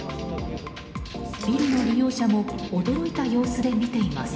ビルの利用者も驚いた様子で見ています。